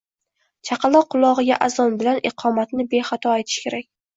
Chaqaloq qulog’iga azon bilan iqomatni bexato aytish kerak.